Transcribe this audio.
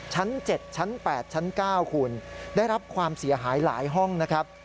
ชั้น๗ชั้น๘ชั้น๙คุณได้รับความเสียหายหลายห้องนะครับ